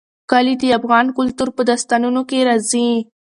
کلي د افغان کلتور په داستانونو کې راځي.